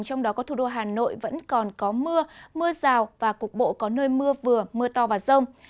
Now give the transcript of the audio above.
trong đó có thủ đô hà nội vẫn còn có mưa mưa rào và cục bộ có nơi mưa vừa mưa to và rông